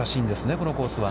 このコースは。